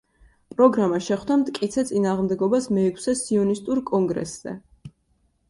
პროგრამა შეხვდა მტკიცე წინააღმდეგობას მეექვსე სიონისტურ კონგრესზე.